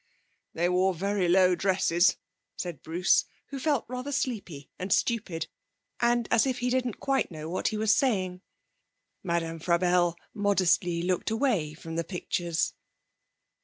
'They wore very low dresses,' said Bruce, who felt rather sleepy and stupid, and as if he didn't quite know what he was saying. Madame Frabelle modestly looked away from the pictures.